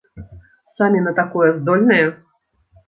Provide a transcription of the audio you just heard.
Самі на такое здольныя?